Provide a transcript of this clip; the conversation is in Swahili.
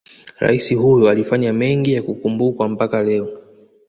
Rais huyo alifanya mengi ya kukumbukwa mpaka leo